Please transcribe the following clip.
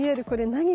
何？